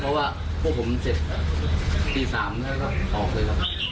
เพราะว่าพวกผมเสร็จตี๓ก็ออกเลย